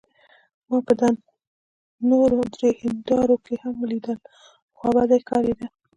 ما دا په نورو درې هندارو کې هم لیدل، خوابدې ښکارېده.